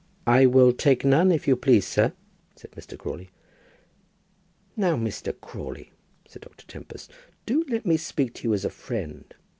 "I will take none, if you please, sir," said Mr. Crawley. "Now, Mr. Crawley," said Dr. Tempest, "do let me speak to you as a friend.